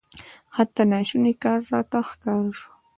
حتی ناشونی کار راته ښکاره سو.